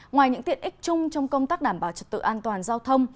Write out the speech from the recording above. ngoài những tiện ích chung trong công tác đảm bảo trật tự an toàn giao thông